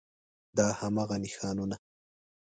دا هماغه نښانونه